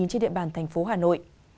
trên địa bàn thành phố hà nội